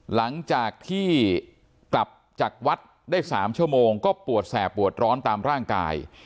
หลังจากที่กลับจากวัดได้๓ชั่วโมงก็ปวดแสบปวดร้อนตามร่างกาย